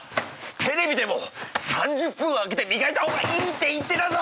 テレビでも３０分空けて磨いた方がいいって言ってたぞ！